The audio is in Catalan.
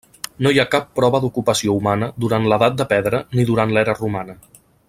No hi ha cap prova d'ocupació humana durant l'Edat de Pedra ni durant l'era romana.